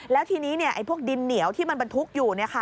แล้วทีนี้พวกดินเหนียวที่มันบรรทุกอยู่